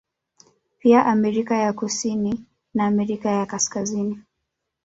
Pia Amerika ya kusini na Amerika ya Kaskazini